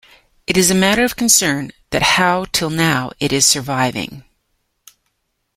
It is a matter of concern that how till now, it is surviving?